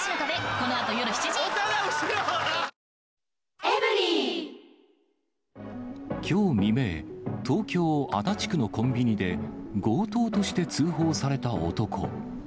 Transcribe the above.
生しょうゆはキッコーマンきょう未明、東京・足立区のコンビニで、強盗として通報された男。